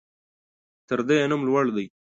تر ده يې نوم لوړ دى.